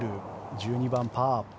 １２番、パー。